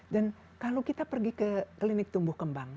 dan kalau kita pergi ke klinik tumbuh kembang